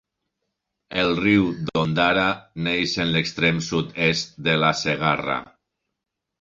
El riu d'Ondara neix en l'extrem sud-est de la Segarra.